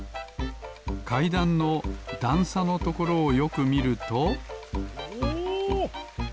かいだんのだんさのところをよくみるとおお！